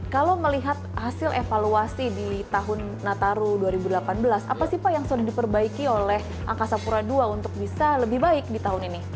kalau melihat hasil evaluasi di tahun nataru dua ribu delapan belas apa sih pak yang sudah diperbaiki oleh angkasa pura ii untuk bisa lebih baik di tahun ini